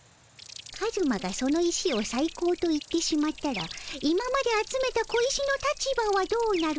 カズマがその石をさい高と言ってしまったら今まで集めた小石の立場はどうなるのじゃ？